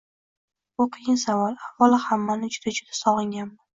Bu qiyin savol. Avvalo, hammani juda juda sog‘inganman.